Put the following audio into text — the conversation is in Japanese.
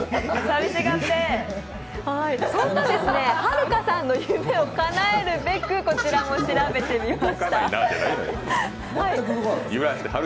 そんなはるかさんの夢をかなえるべくこちらも調べてみました。